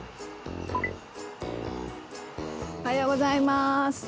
おはようございます。